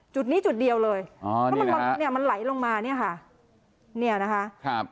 จุดนี้จุดเดียวเลยอ๋อแล้วมันเนี่ยมันไหลลงมาเนี่ยค่ะเนี่ยนะคะครับ